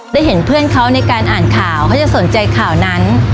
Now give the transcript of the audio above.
ได้เห็นเพื่อนเขาในการอ่านข่าวเขาจะสนใจข่าวนั้น